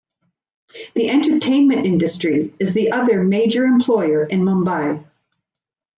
The entertainment industry is the other major employer in Mumbai.